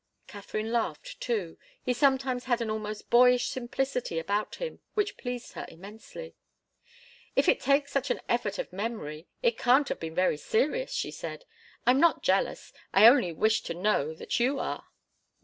Katharine laughed too. He sometimes had an almost boyish simplicity about him which pleased her immensely. "If it takes such an effort of memory, it can't have been very serious," she said. "I'm not jealous. I only wish to know that you are."